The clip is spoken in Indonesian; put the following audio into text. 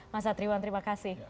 mas satriwan terima kasih